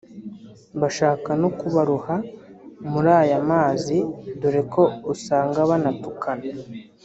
bashaka no kubaroha muri aya mazi dore ko usanga banatukana